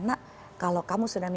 nak kalau kamu sudah mimpi